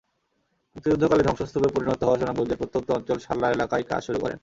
মুক্তিযুদ্ধকালে ধ্বংসস্তূপে পরিণত হওয়া সুনামগঞ্জের প্রত্যন্ত অঞ্চল শাল্লা এলাকায় কাজ শুরু করেন।